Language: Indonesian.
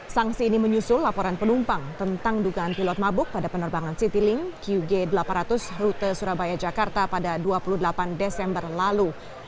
sanksi ini menyusul laporan penumpang tentang dugaan pilot mabuk pada penerbangan citylink qg delapan ratus rute surabaya jakarta pada dua puluh delapan desember lalu